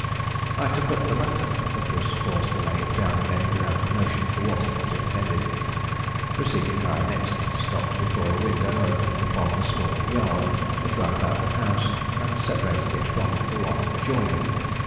I took up the latter, but was forced to lay it down again without a notion for what it was intended. Proceeding, I next stopped before a window opening upon the small yard that ran about the house, and separated it from the one adjoining.